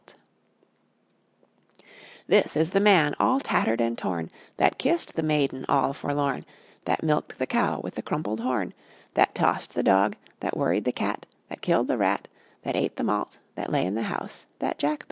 This is the Man all tattered and torn, That kissed the Maiden all forlorn, That milked the Cow with the crumpled horn, That tossed the Dog, That worried the Cat, That killed the Rat, That ate the Malt, That lay in the House that Jack built.